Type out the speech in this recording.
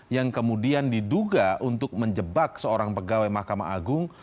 yang kemudian diduga untuk menjebak seorang pegawai mahkamah agung